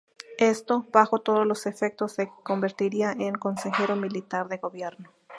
Esto, bajo todos los efectos le convertiría en consejero militar de gobierno.